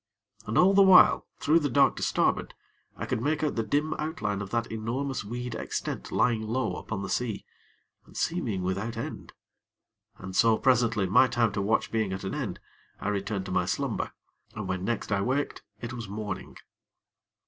And all the while, through the dark to starboard, I could make out the dim outline of that enormous weed extent lying low upon the sea, and seeming without end. And so, presently, my time to watch being at an end, I returned to my slumber, and when next I waked it was morning.